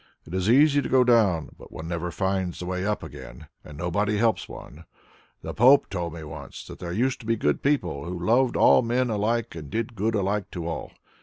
It is easy to go down, but one never finds the way up again, and nobody helps one. The Pope told me once that there used to be good people who loved all men alike and did good alike to all.